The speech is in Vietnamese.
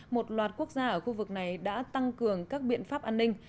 một loạt quốc gia ở khu vực này đã tăng cường các biện pháp an ninh